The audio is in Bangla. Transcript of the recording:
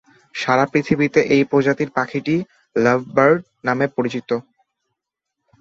সারা পৃথিবীতে এই প্রজাতির পাখিটি লাভ বার্ড নামে পরিচিত।